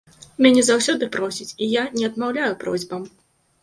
Мяне заўсёды просяць, і я не адмаўляю просьбам.